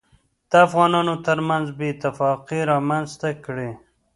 دافغانانوترمنځ بې اتفاقي رامنځته کړي